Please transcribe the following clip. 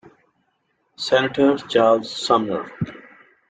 Senator Charles Sumner.